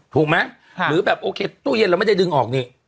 ถูกไหมหรือแบบโอเคตู้เย็นเราไม่ได้ดึงออกนี่